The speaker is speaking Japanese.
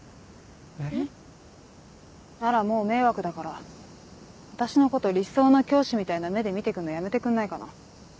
えっ？ならもう迷惑だから私のこと理想の教師みたいな目で見て来んのやめてくんないかな？